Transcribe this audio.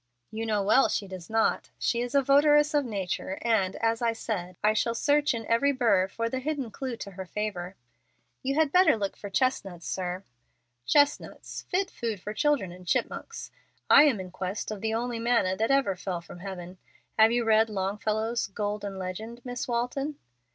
"You know well she does not. She is a votaress of nature, and, as I said, I shall search in every burr for the hidden clew to her favor." "You had better look for chestnuts, sir." "Chestnuts! Fit food for children and chipmonks. I am in quest of the only manna that ever fell from heaven. Have you read Longfellow's 'Golden Legend,' Miss Walton?"